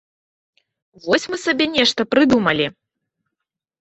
Вось мы сабе нешта прыдумалі.